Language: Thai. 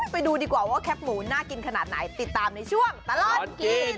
ไปดูดีกว่าว่าแคปหมูน่ากินขนาดไหนติดตามในช่วงตลอดกิน